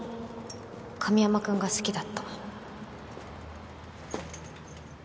神山くんが好きだった